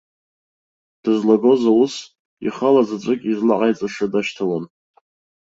Дызлагоз аус, ихала заҵәык излаҟаиҵаша дашьҭалон.